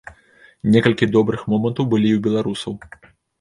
Некалькі добрых момантаў былі і ў беларусаў.